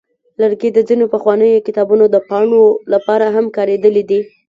لرګي د ځینو پخوانیو کتابونو د پاڼو لپاره هم کارېدلي دي.